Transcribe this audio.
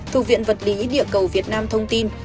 thuộc viện vật lý địa cầu việt nam thông tin